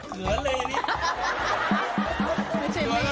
เหลือเลนี่